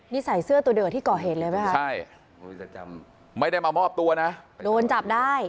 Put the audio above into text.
นี่ใส่เสื้อตัวเดียวกับที่ก่อเหตุเลยไหมคะใช่ไม่ได้มามอบตัวนะโดนจับได้